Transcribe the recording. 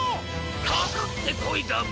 かかってこいだビ！